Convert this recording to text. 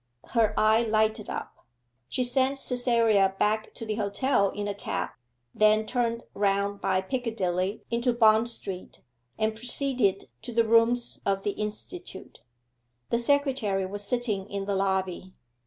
Her eye lighted up. She sent Cytherea back to the hotel in a cab, then turned round by Piccadilly into Bond Street, and proceeded to the rooms of the Institute. The secretary was sitting in the lobby.